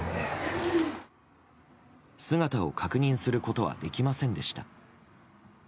姿を確認することはできませんでした。